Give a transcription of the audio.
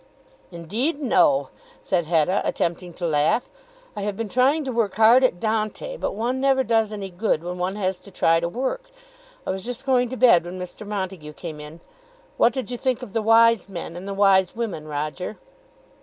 "Indeed, no," said Hetta, attempting to laugh, "I have been trying to work hard at Dante, but one never does any good when one has to try to work. I was just going to bed when Mr. Montague came in. What did you think of the wise men and the wise women, Roger?"